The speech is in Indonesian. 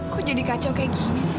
kok jadi kacau kayak gini sih